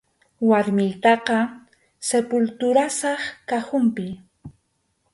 Warmiytaqa sepulturasaq cajonpi.